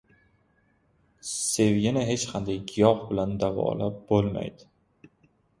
• Sevgini hech qanday giyoh bilan davolab bo‘lmaydi.